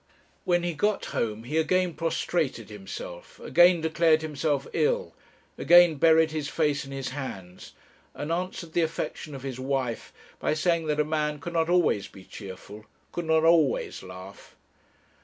When he got home, he again prostrated himself, again declared himself ill, again buried his face in his hands, and answered the affection of his wife by saying that a man could not always be cheerful, could not always laugh.